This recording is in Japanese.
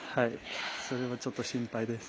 それはちょっと心配です。